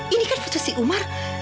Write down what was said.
ini kan putus si umar